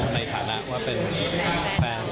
ในฐานะว่าเป็นแฟน